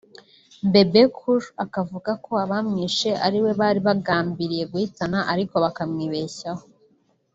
Bebe Cool akavuga ko abamwishe ari we bari bagambiriye guhitana ariko bakamwibeshyaho